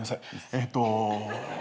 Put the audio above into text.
えっと。